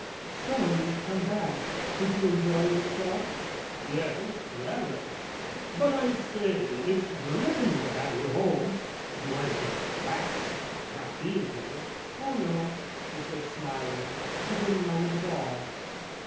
"So you've come back? Did you enjoy yourself?" "Yes, rather. But I say, it's ripping to have you home. You weren't in a wax at my not being here?" "Oh no," she said, smiling. "I didn't mind at all."